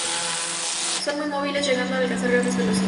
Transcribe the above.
Son muy móviles, llegando a alcanzar grandes velocidades.